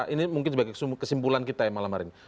ini mungkin sebagai kesimpulan kita ya malam hari ini